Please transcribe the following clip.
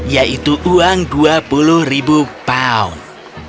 yaitu uang dua puluh ribu pound